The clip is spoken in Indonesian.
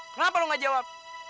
kenapa lu gak jawab